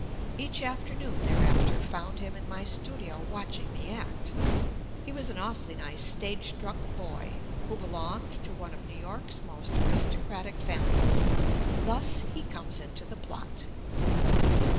Each afternoon thereafter found him in my studio watching me act. He was an awfully nice stagestruck boy, who belonged to one of New York's most aristocratic families — thus he comes into the plot.